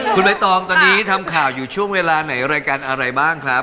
คุณใบตองตอนนี้ทำข่าวอยู่ช่วงเวลาไหนรายการอะไรบ้างครับ